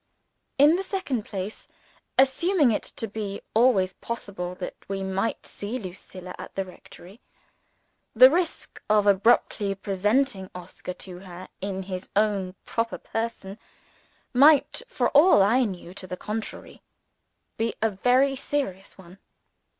In the second place assuming it to be always possible that we might see Lucilla at the rectory the risk of abruptly presenting Oscar to her in his own proper person might, for all I knew to the contrary, be a very serious one.